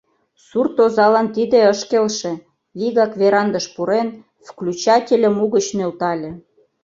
Сурт озалан тиде ыш келше, вигак верандыш пурен, включательым угыч нӧлтале.